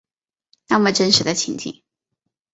那么真实的情景